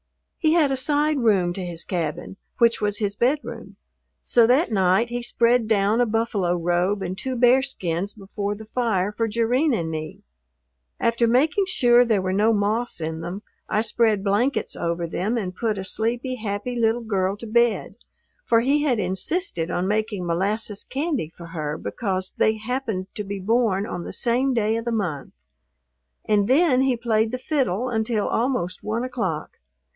He had a side room to his cabin, which was his bedroom; so that night he spread down a buffalo robe and two bearskins before the fire for Jerrine and me. After making sure there were no moths in them, I spread blankets over them and put a sleepy, happy little girl to bed, for he had insisted on making molasses candy for her because they happened to be born on the same day of the month. And then he played the fiddle until almost one o'clock.